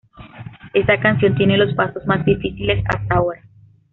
Esta canción tiene los pasos más difíciles hasta ahora.